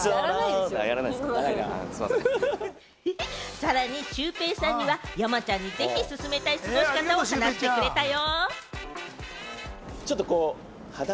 さらにシュウペイさんには、山ちゃんにぜひ、すすめたい過ごし方を聞いたよ。